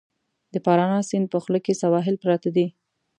د پارانا سیند په خوله کې سواحل پراته دي.